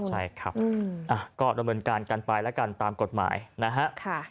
ใช่ครับก็ดำเนินการกันไปแล้วกันตามกฎหมายนะฮะ